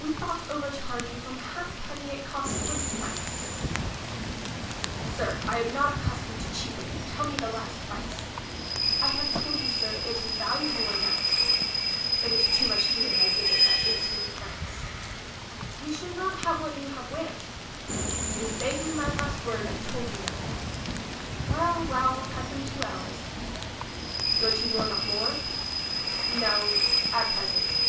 We thout overcharge you from a halfpenny, it cost twenty franks. Sir, I am not accustomed to cheapen : tell me the last price. I have told you, sir, it is valuable in that. It is too much dear, I g^ve at it, eighteen franks. You shall not have what you have wished. You did beg me my last word, I told you them. Well, well, cut them two ells. Don't you will not more ? No, at present.